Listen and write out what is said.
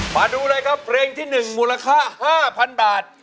มาดูเลยครับเพลงที่๑มูลค่า๕๐๐๐บาท